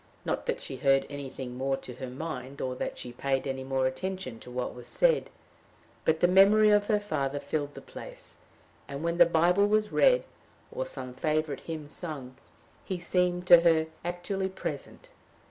Not that she heard anything more to her mind, or that she paid any more attention to what was said; but the memory of her father filled the place, and when the Bible was read, or some favorite hymn sung, he seemed to her actually present.